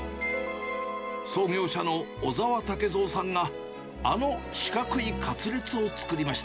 創業者の小澤竹蔵さんが、あの四角いかつれつを作りました。